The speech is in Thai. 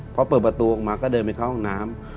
พอเปิดประตูออกมาก็เดินไปเข้าห้องน้ำ